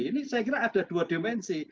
ini saya kira ada dua dimensi